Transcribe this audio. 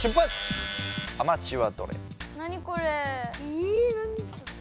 え何それ。